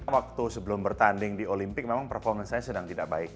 waktu sebelum bertanding di olimpik memang performance saya sedang tidak baik